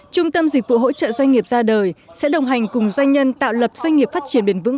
trung tâm dịch vụ hỗ trợ doanh nghiệp ra đời sẽ đồng hành cùng doanh nhân tạo lập doanh nghiệp phát triển bền vững